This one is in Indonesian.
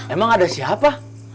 emang ada siapa